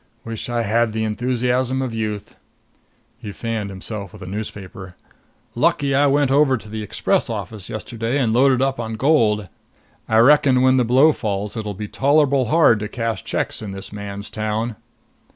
Wish I had the enthusiasm of youth." He fanned himself with a newspaper. "Lucky I went over to the express office yesterday and loaded up on gold. I reckon when the blow falls it'll be tolerable hard to cash checks in this man's town."